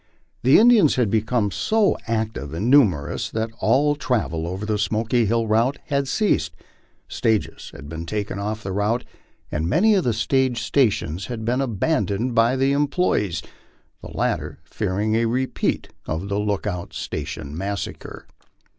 The Indians had become so active and numerous that all travel over the S joky Hill route had ceased ; stages had been taken off the route, and many of the stage stations had been abandoned by the employees, the latter fearing a repe tion of the Lookout Station massacre.